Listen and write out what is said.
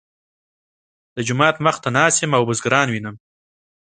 د جومات مخ ته ناست یم او بزګران وینم.